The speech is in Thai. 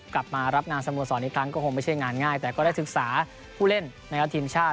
กลับมารับงานสโมสรอีกครั้งก็คงไม่ใช่งานง่ายแต่ก็ได้ศึกษาผู้เล่นนะครับทีมชาติ